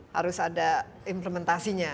harus ada implementasinya